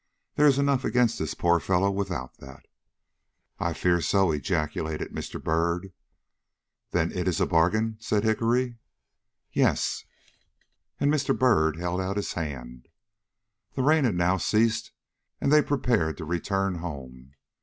There is enough against this poor fellow without that." "I fear so," ejaculated Mr. Byrd. "Then it is a bargain?" said Hickory. "Yes." And Mr. Byrd held out his hand. The rain had now ceased and they prepared to return home.